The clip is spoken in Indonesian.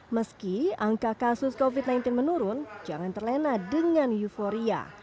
meski angka kasus covid sembilan belas menurun jangan terlena dengan euforia